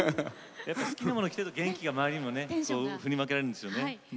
好きなもの着てると元気が周りにもね振りまけられるんですよね。